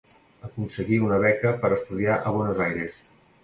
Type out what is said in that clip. Aconseguí una beca per a estudiar a Buenos Aires.